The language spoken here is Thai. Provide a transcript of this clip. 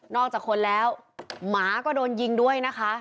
อกจากคนแล้วหมาก็โดนยิงด้วยนะคะ